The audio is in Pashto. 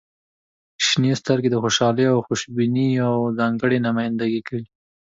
• شنې سترګې د خوشحالۍ او خوشبختۍ یوه ځانګړې نمایندګي کوي.